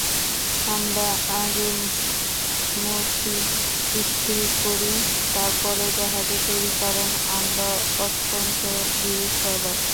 আমরা আগে মতি স্থির করি, তাহার পরে জাহাজে চড়ি–কারণ আমরা অত্যন্ত ভীরুস্বভাব।